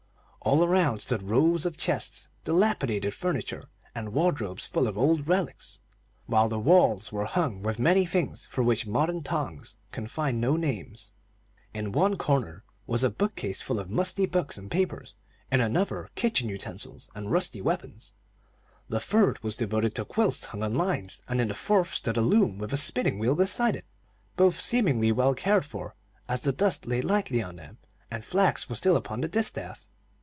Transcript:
All around stood rows of chests, dilapidated furniture, and wardrobes full of old relics, while the walls were hung with many things for which modern tongues can find no names. In one corner was a book case full of musty books and papers; in another, kitchen utensils and rusty weapons; the third was devoted to quilts hung on lines, and in the fourth stood a loom with a spinning wheel beside it, both seemingly well cared for, as the dust lay lightly on them, and flax was still upon the distaff.